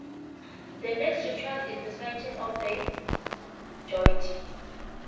The next ritual is the sighting of the jyoti.